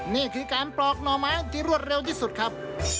นี่คือการปลอกหน่อไม้ที่รวดเร็วที่สุดครับ